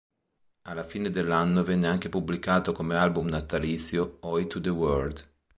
Alla fine dell'anno venne anche pubblicato come album natalizio "Oi to the World!